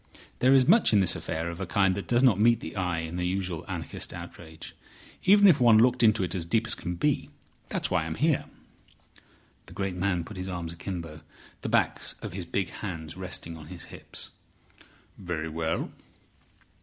There is much in this affair of a kind that does not meet the eye in a usual anarchist outrage, even if one looked into it as deep as can be. That's why I am here." The great man put his arms akimbo, the backs of his big hands resting on his hips. "Very well.